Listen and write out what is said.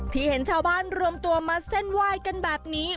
เห็นชาวบ้านรวมตัวมาเส้นไหว้กันแบบนี้